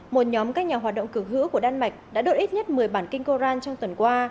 một nhóm các nhà hoạt động cử hữu của đan mạch đã đốt ít nhất một mươi bản kinh koran trong tuần qua